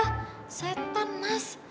mas setan mas